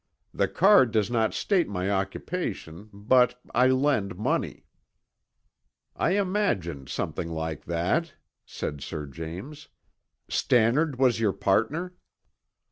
"The card does not state my occupation, but I lend money." "I imagined something like that," said Sir James. "Stannard was your partner?"